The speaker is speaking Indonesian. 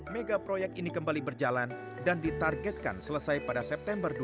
mega proyek ini kembali berjalan dan ditargetkan selesai pada september dua ribu dua puluh